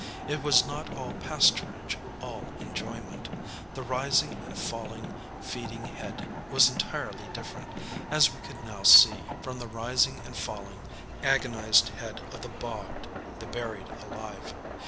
It was not all pasturage, all enjoyment. The rising and falling feeding head was entirely different, as we could now see, from the rising and falling agonized head of the bogged the buried alive.